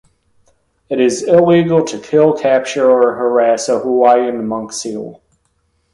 It is illegal to kill, capture or harass a Hawaiian monk seal.